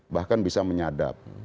bahkan bisa menyadap